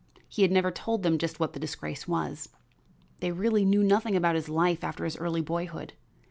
He had never told them just what the disgrace was. They really knew nothing about his life after his early boyhood.